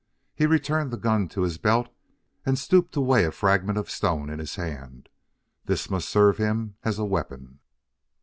He returned the gun to his belt and stooped to weigh a fragment of stone in his hand: this must serve him as a weapon.